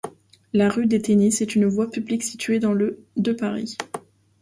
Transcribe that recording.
La rue des Tennis est une voie publique située dans le de Paris.